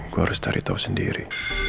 gue harus cari tahu sendiri